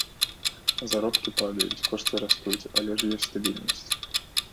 Заробкі падаюць, кошты растуць, але ж ёсць стабільнасць.